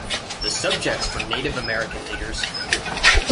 The subjects were Native American leaders.